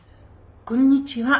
「こんにちは。